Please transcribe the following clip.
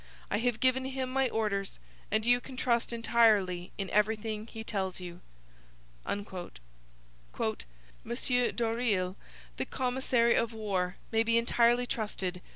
I have given him my orders, and you can trust entirely in everything he tells you.' 'M. Doreil, the commissary of war, may be entirely trusted.